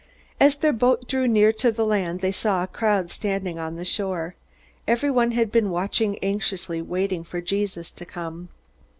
As their boat drew near to land, they saw a crowd standing on the shore. Everyone had been watching anxiously, waiting for Jesus to come.